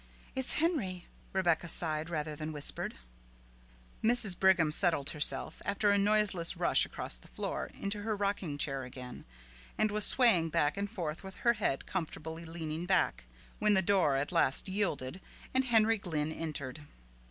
"It's Henry," Rebecca sighed rather than whispered. Mrs. Brigham settled herself, after a noiseless rush across the floor, into her rocking chair again, and was swaying back and forth with her head comfortably leaning back, when the door at last yielded and Henry Glynn entered.